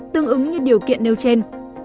tương ứng như điều kiện nêu trên